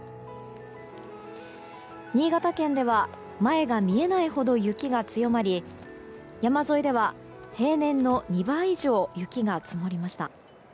新潟県では前が見えないほど雪が強まり山沿いでは平年の２倍以上雪が積もりました。